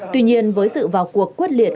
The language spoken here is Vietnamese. tuy nhiên với sự vào cuộc quyết liệt